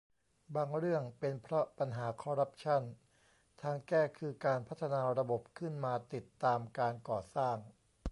บางเรื่องเป็นเพราะปัญหาคอร์รัปชั่น ทางแก้คือการพัฒนาระบบขึ้นมาติดตามการก่อสร้าง